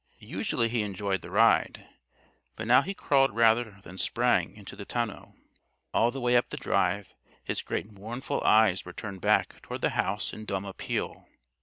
Usually he enjoyed the ride; but now he crawled rather than sprang into the tonneau. All the way up the drive, his great mournful eyes were turned back toward the house in dumb appeal.